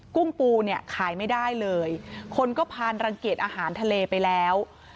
กุ้งปูเนี่ยขายไม่ได้เลยคนก็ผ่านรังเกียจอาหารทะเลไปแล้ว